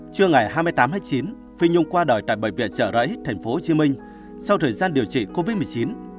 trưa ngày hai mươi tám tháng chín phi nhung qua đời tại bệnh viện trợ rẫy tp hcm sau thời gian điều trị covid một mươi chín